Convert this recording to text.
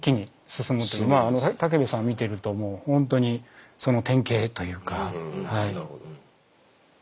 武部さんを見てるともうほんとにその典型というかはい。